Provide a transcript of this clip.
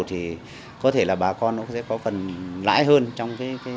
thì có thể là bà con cũng sẽ có phần lãi hơn